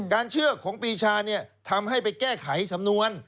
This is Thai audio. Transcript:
เชื่อของปีชาทำให้ไปแก้ไขสำนวน